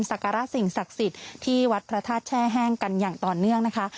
สักการะสิ่งศักดิ์สิทธิ์ที่วัดพระธาตุแช่แห้งกันอย่างต่อเนื่องนะคะ